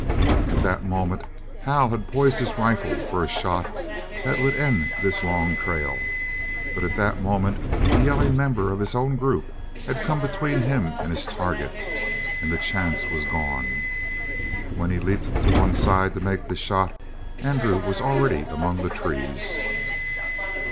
At that moment Hal had poised his rifle for a shot that would end this long trail, but at that moment a yelling member of his own group had come between him and his target, and the chance was gone. When he leaped to one side to make the shot, Andrew was already among the trees.